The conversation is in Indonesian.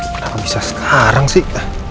kenapa bisa sekarang sih